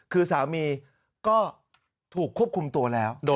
คือสามีก็ถูกควบคุมตัวแล้ว